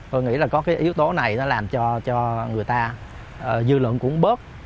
tôi nghĩ là có cái yếu tố này nó làm cho người ta dư luận cũng bớt